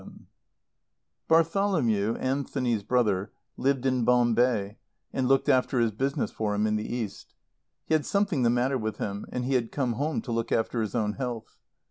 VII Bartholomew, Anthony's brother, lived in Bombay and looked after his business for him in the East. He had something the matter with him, and he had come home to look after his own health.